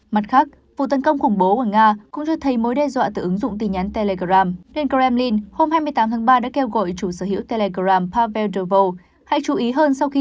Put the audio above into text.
mặt khác vụ tấn công khủng bố của nga cũng cho thấy mối đe dọa từ ứng dụng tin nhắn telegram nên kremlin hôm hai mươi tám tháng ba đã kêu gọi chủ sở hữu telegram pavel dovol hãy chú ý hơn sau khi